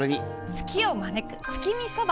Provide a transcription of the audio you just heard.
ツキを招く月見そば！